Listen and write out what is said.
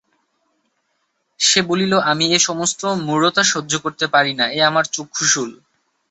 সে বলিল, আমি এ-সমস্ত মূঢ়তা সহ্য করিতে পারি না এ আমার চক্ষুশূল।